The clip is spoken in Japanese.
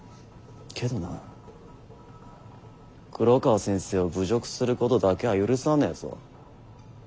けどな黒川先生を侮辱することだけは許さねえぞ。